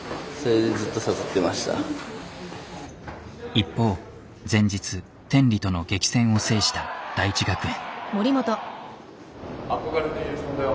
一方前日天理との激戦を制した大智学園。